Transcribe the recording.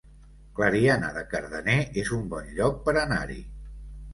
Clariana de Cardener es un bon lloc per anar-hi